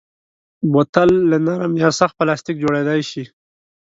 بوتل له نرم یا سخت پلاستیک جوړېدای شي.